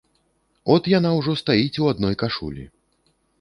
От яна ўжо стаіць у адной кашулі.